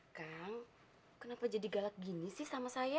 kang kenapa jadi galak gini sih sama saya